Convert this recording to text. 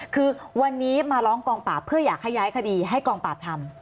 คือวันนี้มาร้องกองปราบเพื่ออยากให้ย้ายคดีให้กองปราบทำ